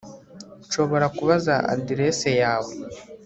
Nshobora kubaza adresse yawe